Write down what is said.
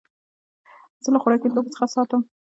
زه له خوراکي توکو څخه ساتم.